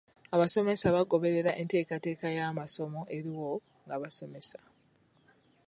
Abasomesa bagoberera enteekateeka y'amasomo eriwo nga basomesa.